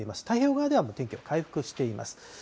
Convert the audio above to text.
太平洋側ではもう天気は回復しています。